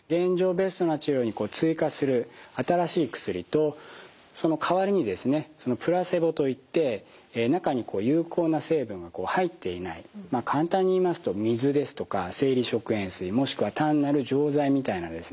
ベストな治療に追加する新しい薬とそのかわりにプラセボといって中に有効な成分が入っていない簡単に言いますと水ですとか生理食塩水もしくは単なる錠剤みたいなですね